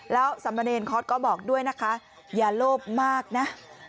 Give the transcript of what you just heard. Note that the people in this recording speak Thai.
แล้วสมเนรคอร์สก็บอกด้วยนะคะอย่าโลภมากนะ